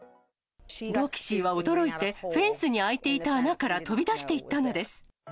ロキシーは驚いて、フェンスに開いていた穴から飛び出していったのです。